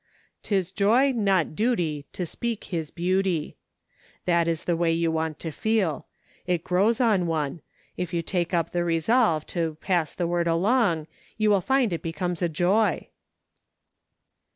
'Tis joy, not duty, To speak His beauty. That is the way you want to feel. It grows on one ; if you take up the resolve to ' pass the word along,' you will find it becomes a joy."